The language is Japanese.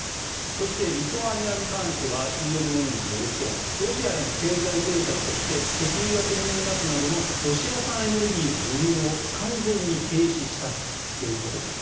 そして、リトアニアに関してはＣＮＮによるとロシアへの経済制裁として石油や天然ガスなどのロシア産エネルギーの輸入を完全に停止したということです。